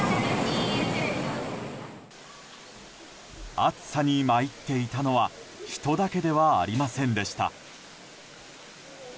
暑さに参っていたのは人だけではありませんでした。